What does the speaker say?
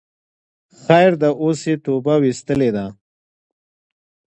خیر ده اوس یی توبه ویستلی ده